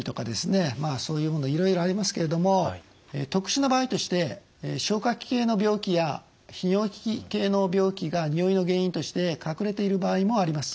そういうものいろいろありますけれども特殊な場合として消化器系の病気や泌尿器系の病気がにおいの原因として隠れている場合もあります。